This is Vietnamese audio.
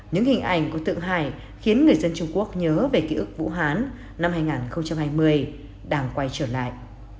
những hình ảnh của tượng hải khiến người dân trung quốc nhớ về ký ức vũ hán năm hai nghìn hai mươi đang quay trở lại